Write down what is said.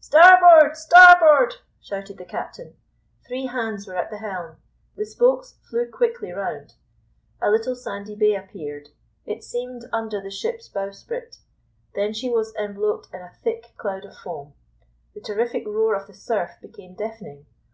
"Starboard, starboard!" shouted the captain. Three hands were at the helm. The spokes flew quickly round. A little sandy bay appeared; it seemed under the ship's bowsprit; then she was enveloped in a thick cloud of foam; the terrific roar of the surf became deafening.